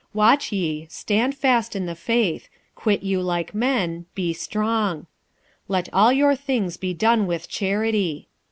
46:016:013 Watch ye, stand fast in the faith, quit you like men, be strong. 46:016:014 Let all your things be done with charity.